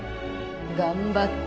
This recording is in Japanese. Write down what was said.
頑張って。